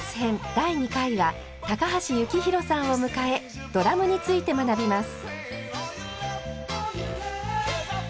第２回は高橋幸宏さんを迎えドラムについて学びます。